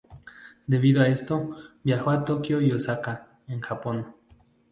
Debido a esto, viajó a Tokio y Osaka, en Japón.